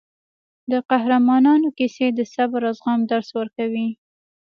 د قهرمانانو کیسې د صبر او زغم درس ورکوي.